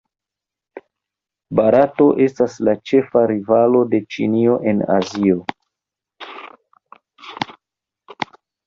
Barato estas la ĉefa rivalo de Ĉinio en Azio.